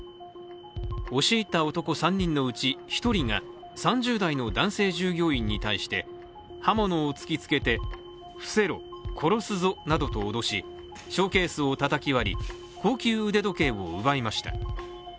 押し入った男３人のうち１人が３０代の男性従業員に対して刃物を突きつけて伏せろ、殺すぞなどと脅しショーケースをたたき割り、高級腕時計を奪いました。